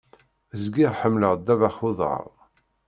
Zgiɣ ḥemmleɣ ddabex uḍaṛ.